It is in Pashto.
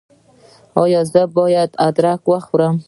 ایا زه باید ادرک وخورم؟